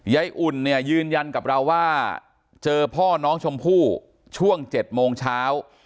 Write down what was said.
อุ่นเนี่ยยืนยันกับเราว่าเจอพ่อน้องชมพู่ช่วง๗โมงเช้า